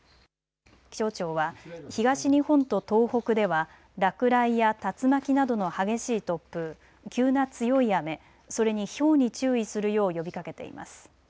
気象庁は東日本と東北では落雷や竜巻などの激しい突風、急な強い雨、それにひょうに注意するよう呼びかけています。